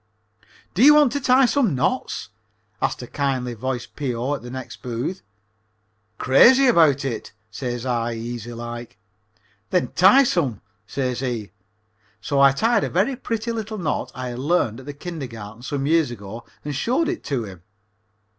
"Do you want to tie some knots?" asked a kind voiced P.O. at the next booth. "Crazy about it," says I, easy like. "Then tie some," says he. So I tied a very pretty little knot I had learned at the kindergarten some years ago and showed it to him.